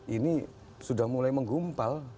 ini sudah mulai menggumpal